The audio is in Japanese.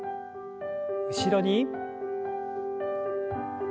後ろに。